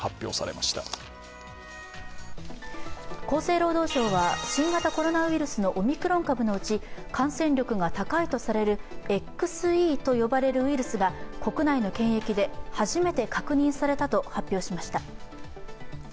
厚生労働省は新型コロナウイルスのオミクロン株のうち感染力が高いとされるＸＥと呼ばれるウイルスが国内の検疫で初めて確認されたと発表しました。